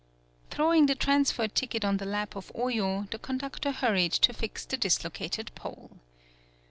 Throwing the transfer ticket on the lap of Oyo, the conductor hurried to fix the dislocated pole.